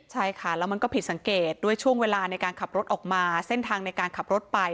ใช่ค่ะแล้วมันก็ผิดสังเกตด้วยช่วงเวลาในการขับรถออกมาเส้นทางในการขับรถไป